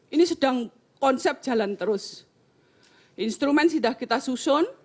ini sedang konsep jalan terus